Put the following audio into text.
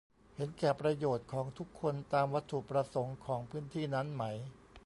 เห็นแก่ประโยชน์ของทุกคนตามวัตถุประสงค์ของพื้นที่นั้นไหม